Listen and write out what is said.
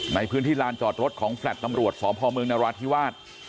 ในพื้นที่ลานจอดรถของแฟลต์ตำรวจสพเมืองนราธิวาส